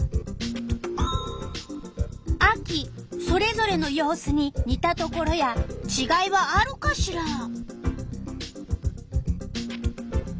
それぞれの様子ににたところやちがいはあるかしら？